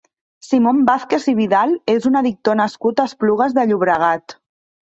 Simón Vázquez i Vidal és un editor nascut a Esplugues de Llobregat.